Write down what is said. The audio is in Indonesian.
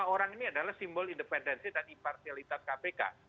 lima orang ini adalah simbol independensi dan impartialitas kpk